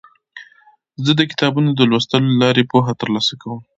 زه د کتابونو د لوستلو له لارې پوهه ترلاسه کوم.